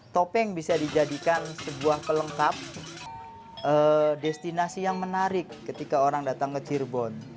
topeng bisa dijadikan sebuah pelengkap destinasi yang menarik ketika orang datang ke cirebon